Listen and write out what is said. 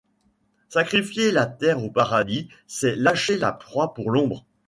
Sacrifier la terre au paradis, c’est lâcher la proie pour l’ombre.